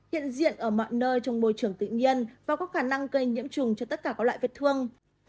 hiện diện ở mọi nơi trong môi trường tự nhiên và có khả năng gây nhiễm trùng cho tất cả các loại vết thương